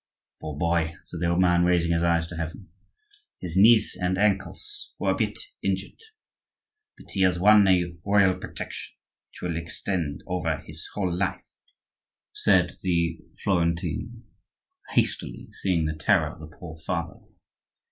"Poor boy!" said the old man, raising his eyes to heaven. "His knees and ankles were a bit injured, but he has won a royal protection which will extend over his whole life," said the Florentine hastily, seeing the terror of the poor father.